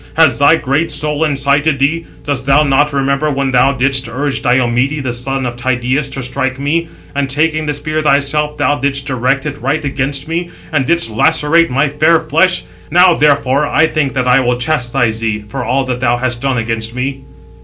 Has thy great soul incited thee? Dost thou not remember when thou didst urge Diomede, the son of Tydeus, to strike me? And taking the spear thyself, thou didst direct it right against me, and didst lacerate my fair flesh. Now, therefore, I think that I will chastise thee, for all that thou hast done against me."